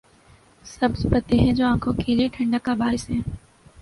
سبز پتے ہیں جو آنکھوں کے لیے ٹھنڈک کا باعث ہیں۔